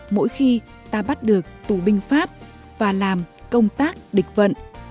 mỗi khi ta bắt được tù binh pháp và làm công tác địch vận